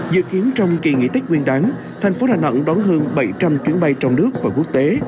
dự kiến trong kỳ nghỉ tết nguyên đáng thành phố đà nẵng đón hơn bảy trăm linh chuyến bay trong nước và quốc tế